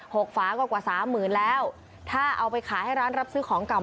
กฝาก็กว่าสามหมื่นแล้วถ้าเอาไปขายให้ร้านรับซื้อของเก่า